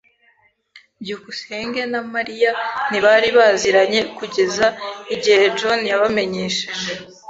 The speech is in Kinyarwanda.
[S] byukusenge na Mariya ntibari baziranye kugeza igihe John yabamenyesheje.